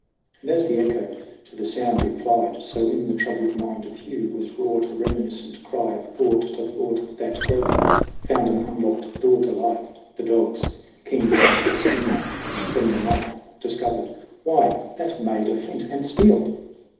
And as the echo to the sound replied, So in the troubled mind of Hugh was wrought A reminiscent cry of thought to thought That, groping, found an unlocked door to life : The dogs keen flint to skin one then the knife Discovered. Why, that made a flint and steel